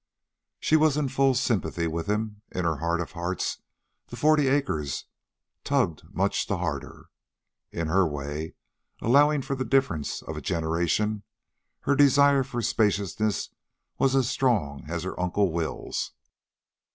She was in full sympathy with him. In her heart of hearts the forty acres tugged much the harder. In her way, allowing for the difference of a generation, her desire for spaciousness was as strong as her Uncle Will's.